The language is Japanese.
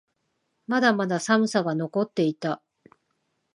まだまだ寒さが残っていた。